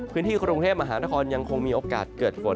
พื้นที่กรุงเทพมหานครยังคงมีโอกาสเกิดฝน